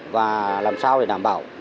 và làm sao để đảm bảo